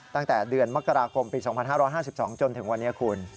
ตั้งแต่เดือนมกราคมปี๒๕๕๒จนถึงวันนี้คุณ